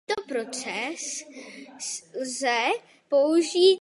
Tento proces lze použít i při získávání jiných "těžkých" izotopů lehkých prvků.